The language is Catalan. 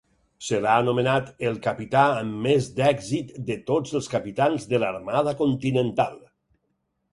Se l'ha anomenat "el capità amb més d'èxit de tots els capitans de l'Armada Continental".